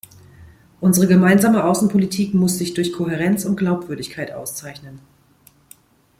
Unsere gemeinsame Außenpolitik muss sich durch Kohärenz und Glaubwürdigkeit auszeichnen.